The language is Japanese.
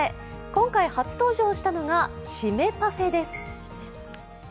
今回、初登場したのがシメパフェです。